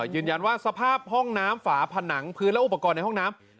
สภาพห้องน้ำฝาผนังพื้นและอุปกรณ์ในห้องน้ำ